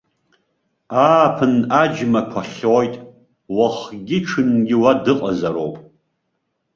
Ааԥын аџьмақәа хьоит, уахгьы-ҽынгьы уа дыҟазароуп.